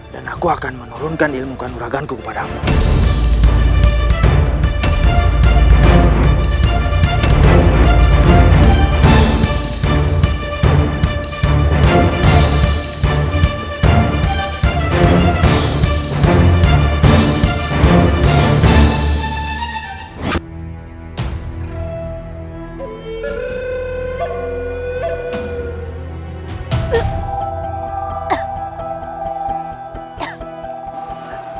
dan aku akan menurunkan ilmu kanuraganku kepada allah